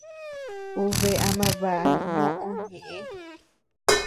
Ú bea ama baʼa nóʼo ñeʼé.